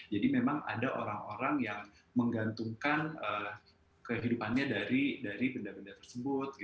jadi memang ada orang orang yang menggantungkan kehidupannya dari benda benda tersebut